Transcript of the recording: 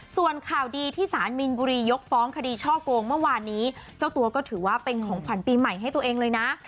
ส่วนข่าวดีที่สารมีนบุรียกฟ้องคดีช่อโกงเมื่อวานนี้เจ้าตัวก็ถือว่าเป็นของขวัญปีใหม่ให้ตัวเองเลยนะ